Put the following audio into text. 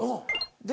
で